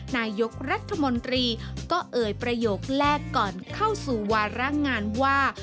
นายกรัฐมนตรีก็เอ่ยประโยคแรกก่อนเข้าสู่วาระงานว่า